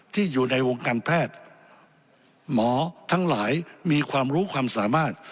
ที่อยู่ในวงการแพทย์หมอทั้งหลายมีความรู้ความสามารถ